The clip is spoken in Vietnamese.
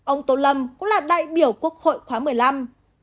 ông tô lâm cũng là đại biểu quốc hội khóa một mươi năm